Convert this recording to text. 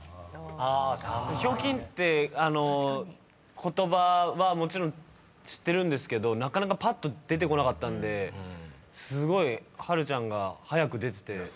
「ひょうきん」って言葉はもちろん知ってるんですけどなかなかぱっと出てこなかったんですごい波瑠ちゃんが早く出てて。